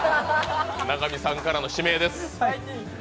永見さんからの指名です。